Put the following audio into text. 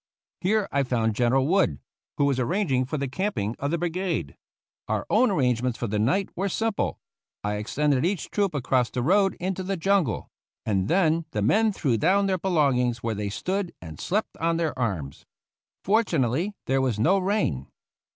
Here I found General Wood, who was arranging for the camping of the brigade. Our own arrangements for the night were simple. I extended each troop across the road into the jungle, and then the men threw down their belongings where they stood and slept 114 THE CAVALRY AT SANTIAGO on their arms. Fortunately, there was no rain.